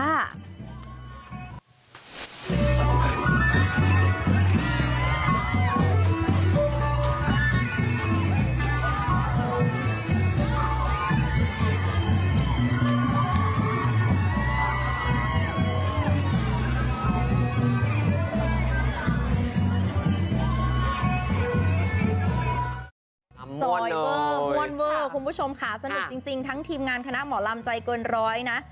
จอยเวอร์ม่วนเวอร์คุณผู้ชมค่ะสนุกจริงทั้งทีมงานคณะหมอลำใจเกินร้อยนะ